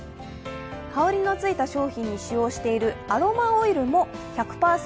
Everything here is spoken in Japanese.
香りのついた商品に使用しているアロマオイルも１００％